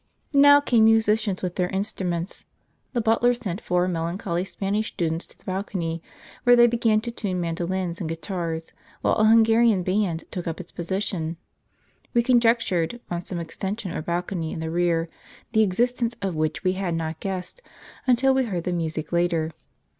Now came musicians with their instruments. The butler sent four melancholy Spanish students to the balcony, where they began to tune mandolins and guitars, while an Hungarian band took up its position, we conjectured, on some extension or balcony in the rear, the existence of which we had not guessed until we heard the music later.